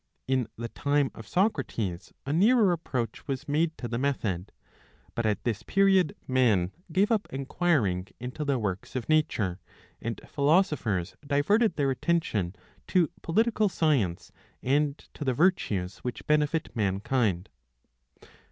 In the time of Socrates a nearer approach was made to the method. But at this period men gave up enquiring into the works of nature, and philosophers diverted their attention to political science and to the virtues which benefit mankind.